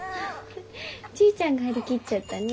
ちぃちゃんが張り切っちゃったね。